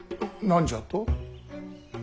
何じゃと？